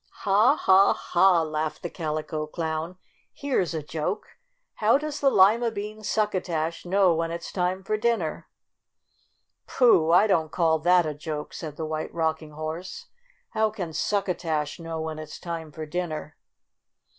"Ha! Ha! Ha!" laughed the Calico Clown. "Here's a joke! How does the lima bean succotash know when it's time for dinner?" "Pooh! I don't call that a joke," said the White Rocking Horse. "How can succotash know when it's time for din ner?"